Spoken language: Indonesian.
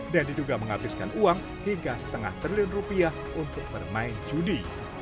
dan diduga menghabiskan uang hingga setengah triliun rupiah untuk bermain judi